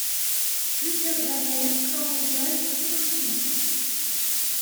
Plusieurs douanières cambriolent Hiroshima!